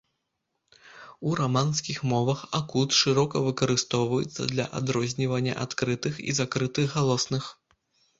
У раманскіх мовах акут шырока выкарыстоўваецца для адрознівання адкрытых і закрытых галосных.